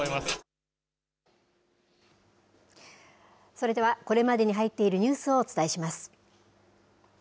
それではこれまでに入っているニュースをお伝えします。